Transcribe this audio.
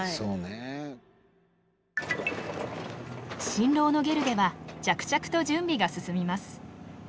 新郎のゲルでは着々と準備が進みます。